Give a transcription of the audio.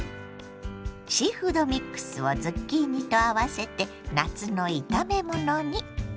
シーフードミックスをズッキーニと合わせて夏の炒めものに。